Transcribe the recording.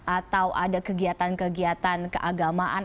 atau ada kegiatan kegiatan keagamaan